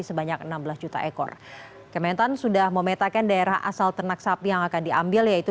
sebanyak enam belas juta ekor kementan sudah memetakan daerah asal ternak sapi yang akan diambil yaitu